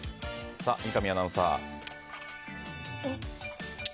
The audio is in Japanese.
さあ、三上アナウンサー。